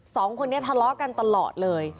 สองคนนี้ทะเลาะกันตลอดเลย